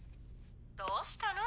どうしたの？